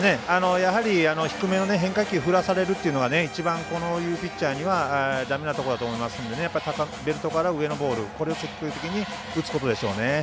やはり、低めの変化球振らされるというのが一番、こういうピッチャーにはだめなところだと思いますのでベルトから上のボールを積極的に打つことでしょうね。